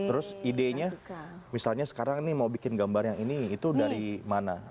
terus idenya misalnya sekarang ini mau bikin gambar yang ini itu dari mana